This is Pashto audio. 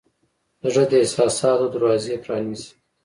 زړه د احساساتو دروازې پرانیزي.